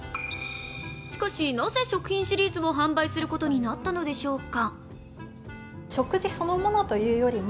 しかしなぜ食品シリーズを販売することになったのでしょうか。